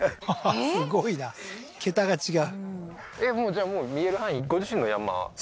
すごいな桁が違うじゃあ